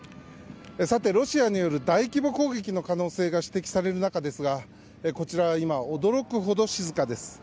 ロシアによる大規模攻撃の可能性が指摘される中ですがこちらは今、驚くほど静かです。